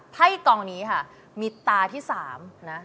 ไพ่กองนี้ค่ะมีตาที่๓นะ